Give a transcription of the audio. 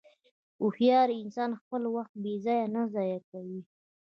هوښیار انسان خپل وخت بېځایه نه ضایع کوي.